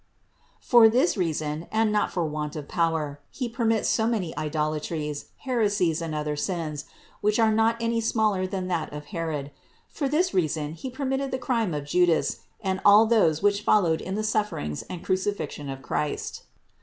For this rea son, and not for want of power, He permits so many idolatries, heresies and other sins, which are not any smaller than that of Herod ; for this reason He permitted the crime of Judas and all those which followed in the sufferings and crucifixion of Christ.